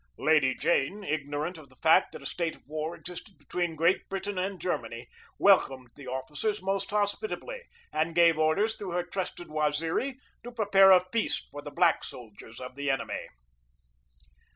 Lady Jane, ignorant of the fact that a state of war existed between Great Britain and Germany, welcomed the officers most hospitably and gave orders through her trusted Waziri to prepare a feast for the black soldiers of the enemy.